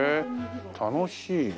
楽しいね。